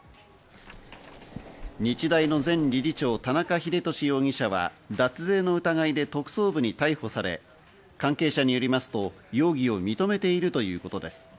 日大の前理事長・田中英壽容疑者は脱税の疑いで特捜部に逮捕され、関係者によりますと容疑を認めているということです。